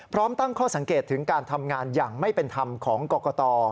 ตั้งข้อสังเกตถึงการทำงานอย่างไม่เป็นธรรมของกรกต